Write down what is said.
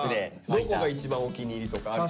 どこが一番お気に入りとかある？